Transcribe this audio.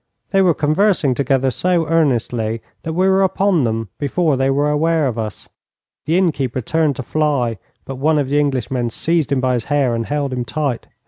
They were conversing together so earnestly that we were upon them before they were aware of us. The innkeeper turned to fly, but one of the Englishmen seized him by the hair, and held him tight.